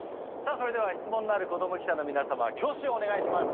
それでは質問のある子ども記者の皆様挙手をお願いします。